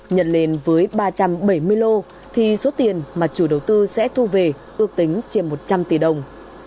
nhận lên với ba trăm bảy mươi lô thì số tiền mà chủ đầu tư sẽ thu về ước tính trên một trăm linh tỷ đồng